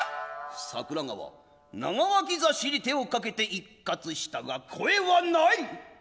櫻川長脇差に手をかけて一喝したが声は無い。